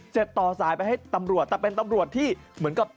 ต่อสายไปให้ตำรวจแต่เป็นตำรวจที่เหมือนกับ